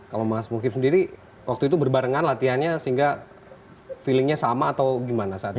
kalau mas mukif sendiri waktu itu berbarengan latihannya sehingga feelingnya sama atau gimana saat ini